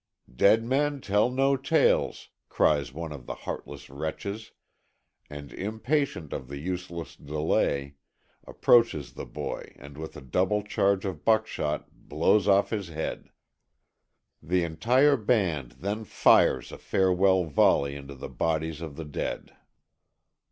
"Dead men tell no tales," cries one of the heartless wretches, and impatient of the useless delay, approaches the boy and with a double charge of buckshot blows off his head. The entire band then fires a farewell volley into the bodies of the dead.